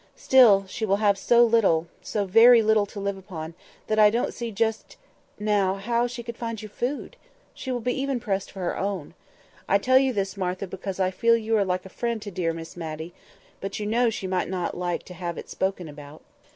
"Still, she will have so little—so very little—to live upon, that I don't see just now how she could find you food—she will even be pressed for her own. I tell you this, Martha, because I feel you are like a friend to dear Miss Matty, but you know she might not like to have it spoken about."